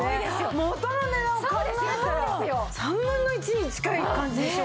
元の値段を考えたら３分の１に近い感じでしょ？